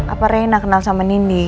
apa reina kenal sama nindi